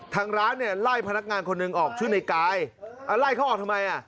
ทางร้านเนี่ยไล่พนักงานคนหนึ่งออกชื่อในกายเอาไล่เขาออกทำไมอ่ะ